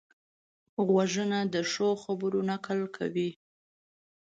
غوږونه د ښو خبرو نقل کوي